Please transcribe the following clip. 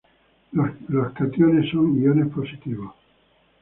Los cationes son iones positivos.